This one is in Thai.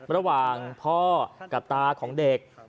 ระหว่างพ่อกับตาของเด็ก